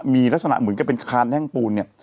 มีลักษณะเหมือนกับเป็นคานแท่งปูนเนี่ย